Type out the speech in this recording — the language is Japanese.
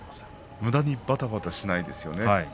むだにばたばたしないですよね。